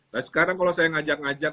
nah sekarang kalau saya ngajak ngajak